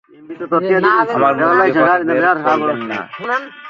আমার মুখ দিয়ে কথা বের করবেন না।